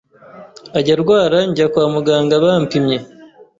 ajya arwara njya kwamuganga bampimye